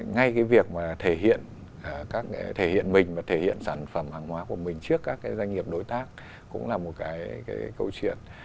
ngay cái việc mà thể hiện mình và thể hiện sản phẩm hàng hóa của mình trước các doanh nghiệp đối tác cũng là một cái câu chuyện